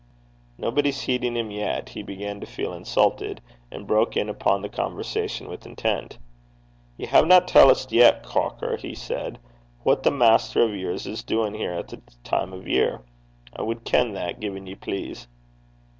Nobody heeding him yet, he began to feel insulted, and broke in upon the conversation with intent. 'Ye haena telt 's yet, Cocker,' he said, 'what that maister o' yours is duin' here at this time o' the year. I wad ken that, gin ye please.'